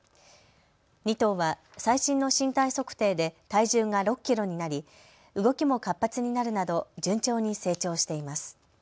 ２頭は最新の身体測定で体重が６キロになり動きも活発になるなど順調に成長しています。